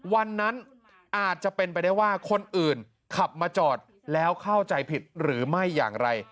วันนั้นอาจจะเป็นไปได้ว่าคนอื่นขับมาจอดแล้วเข้าใจผิดหรือไม่อย่างไร